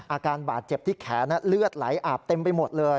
อาการบาดเจ็บที่แขนเลือดไหลอาบเต็มไปหมดเลย